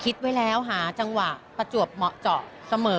คิดไว้แล้วหาจังหวะประจวบเหมาะเจาะเสมอ